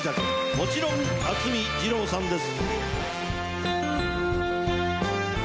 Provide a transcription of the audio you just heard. もちろん渥美二郎さんです。